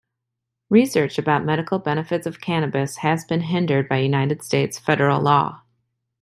Research about medical benefits of cannabis has been hindered by United States federal law.